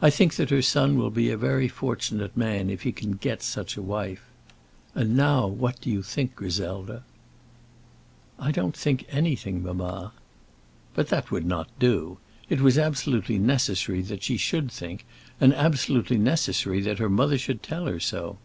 I think that her son will be a very fortunate man if he can get such a wife. And now what do you think, Griselda?" "I don't think anything, mamma." But that would not do. It was absolutely necessary that she should think, and absolutely necessary that her mother should tell her so.